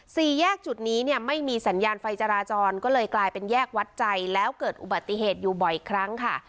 สี่แยกจุดนี้เนี่ยไม่มีสัญญาณไฟจราจรก็เลยกลายเป็นแยกวัดใจแล้วเกิดอุบัติเหตุอยู่บ่อยครั้งค่ะ